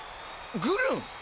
グルン。